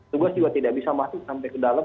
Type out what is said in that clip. tugas juga tidak bisa masuk sampai ke dalam